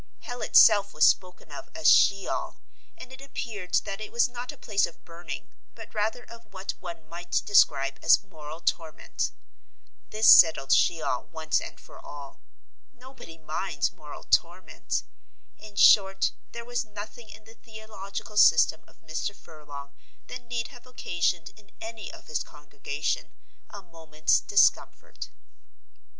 Hell itself was spoken of as She ol, and it appeared that it was not a place of burning, but rather of what one might describe as moral torment. This settled She ol once and for all: nobody minds moral torment. In short, there was nothing in the theological system of Mr. Furlong that need have occasioned in any of his congregation a moment's discomfort.